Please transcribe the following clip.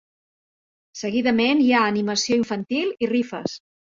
Seguidament hi ha animació infantil i rifes.